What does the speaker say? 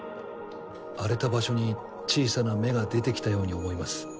荒れた場所に小さな芽が出てきたように思います